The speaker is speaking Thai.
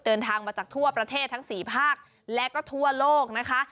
เดินทางมาจากทั่วประเทศทั้ง๔ภาคและก็ทั่วโลกนะคะ